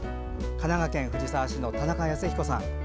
神奈川県藤沢市の田中康彦さん。